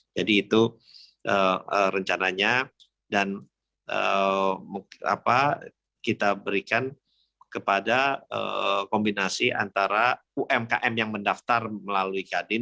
jadi itu rencananya dan kita berikan kepada kombinasi antara umkm yang mendaftar melalui kadin